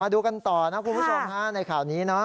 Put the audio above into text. มาดูกันต่อนะครูผู้ชม๕ในข่าวนี้เนอะ